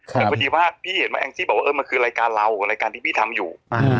แต่พอดีว่าพี่เห็นว่าแองจี้บอกว่ามันคือรายการเรารายการที่พี่ทำอยู่